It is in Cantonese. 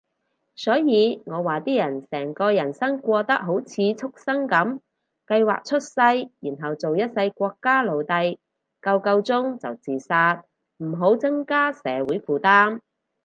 所以我話啲人成個人生過得好似畜牲噉，計劃出世，然後做一世國家奴隸，夠夠鐘就自殺，唔好增加社會負擔